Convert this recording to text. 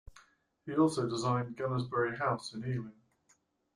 He also designed Gunnersbury House in Ealing.